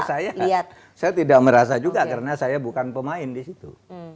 saya tidak merasa juga karena saya bukan pemain disitu